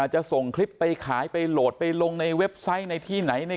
จะส่งคลิปไปขายไปโหลดไปลงในเว็บไซต์ในที่ไหน